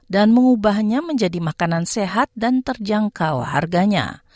dan mengubahnya menjadi makanan sehat dan terjangkau harganya